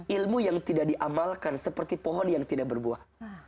ilmu yang tidak diamalkan seperti pohon yang tidak berbuah